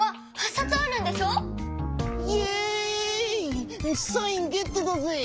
サインゲットだぜ。